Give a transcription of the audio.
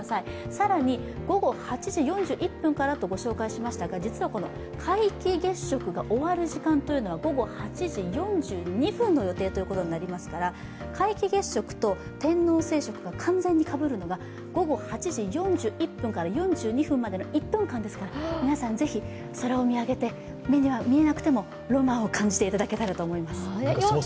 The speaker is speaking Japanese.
更に午後８時４１分からとご紹介しましたが実は皆既月食が終わる時間というのは午後８時４２分の予定となりますから皆既月食と天王星食が完全にかぶるのが午後８時４１分から４２分までの１分間ですから皆さんぜひ、空を見上げて目には見えなくてもロマンを感じていただけたらと思います。